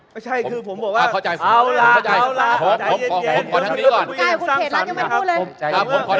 ไม่ใช่คือผมบอกว่าอ่าเข้าใจเอาล่ะเอาล่ะเข้าใจเย็นเย็น